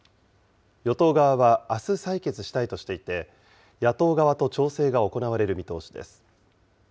与党側はあす採決したいとしていて、野党側と調整が行われる見通しです。